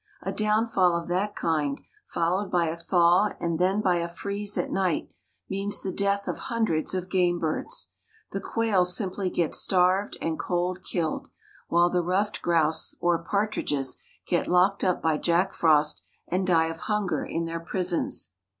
A downfall of that kind, followed by a thaw and then by a freeze at night, means the death of hundreds of game birds. The quail simply get starved and cold killed, while the ruffed grouse, or partridges, get locked up by Jack Frost and die of hunger in their prisons.